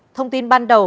thông tin ban đầu